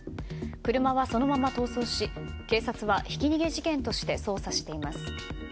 車はそのまま逃走し警察はひき逃げ事件として捜査しています。